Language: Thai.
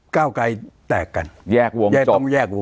ก้าวไกรแตกกันแยกวงจบ